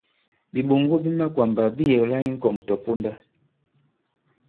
Bìɓoŋgo bi makwàmbà bi yɛ̀kla i ŋkɔ̀ŋ tɔ̀ponda.